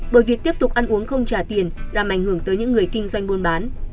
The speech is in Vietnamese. bởi việc tiếp tục ăn uống không trả tiền đã mảnh hưởng tới những người kinh doanh buôn bán